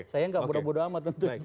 saya gak bodoh bodoh amat untuk